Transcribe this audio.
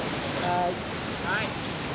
はい。